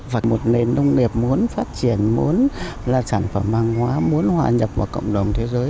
và một nền nông nghiệp muốn phát triển muốn là sản phẩm hàng hóa muốn hòa nhập vào cộng đồng thế giới